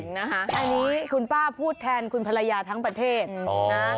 อันนี้คุณป้าพูดแทนคุณภรรยาทั้งประเทศนะ